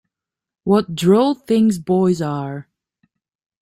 What droll things boys are!